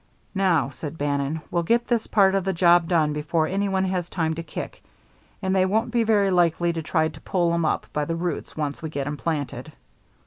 "Now," said Bannon, "we'll get this part of the job done before any one has time to kick. And they won't be very likely to try to pull 'em up by the roots once we get 'em planted."